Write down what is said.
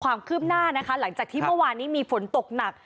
ความคืบหน้านะคะหลังจากที่เมื่อวานนี้มีฝนตกหนัก